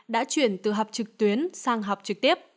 đã chuyển từ học trực tuyến sang học trực tiếp